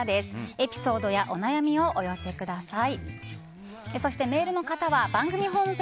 エピソードやお悩みをお寄せください。